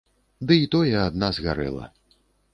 Дый тое, адна згарэла.